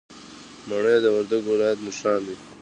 مڼې د وردګو ولایت نښان دی.